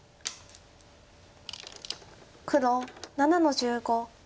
黒７の十五。